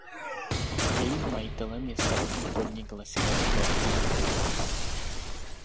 Jejím majitelem je státní podnik Lesy České republiky.